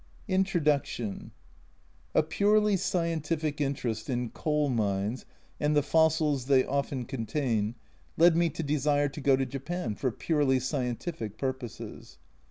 254 IX INTRODUCTION A PURELY scientific interest in coal mines and the fossils they often contain led me to desire to go to Japan, for purely scientific purposes.